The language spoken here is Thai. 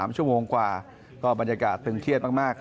๓ชั่วโมงกว่าก็บรรยากาศตึงเครียดมาก